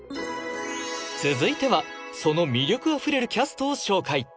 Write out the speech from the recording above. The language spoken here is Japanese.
続いてはその魅力あふれるキャストを紹介